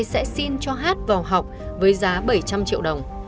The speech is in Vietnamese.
sẽ xin cho hát vào học với giá bảy trăm linh triệu đồng